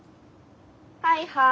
はいはい。